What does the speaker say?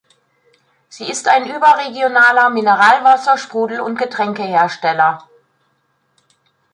Sie ist ein überregionaler Mineralwasser-, Sprudel- und Getränkehersteller.